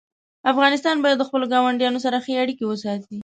افغانستان باید د خپلو ګاونډیانو سره ښې اړیکې وساتي.